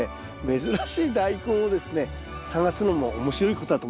珍しいダイコンをですね探すのも面白いことだと思いますよ。